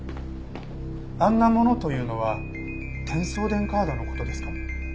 「あんなもの」というのは『テンソーデン』カードの事ですか？